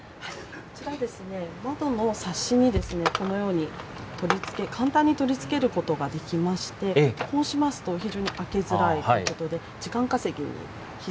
こちらですね、窓のサッシにこのように取り付け、簡単に取り付けることができまして、こうしますと、非常に開けづらいということ